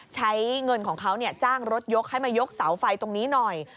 ใช้เงินของเขาจ้างรถยกให้มายกเสาไฟตรงนี้หน่อย